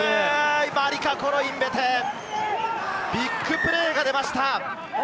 マリカ・コロインベテ、ビッグプレーが出ました。